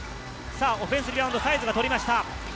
オフェンスリバウンドはサイズが取りました。